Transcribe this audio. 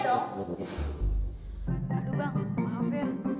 aduh bang maaf ya